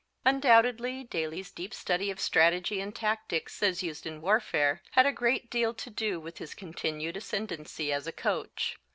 Undoubtedly Daly's deep study of strategy and tactics as used in warfare had a great deal to do with his continued ascendency as a coach.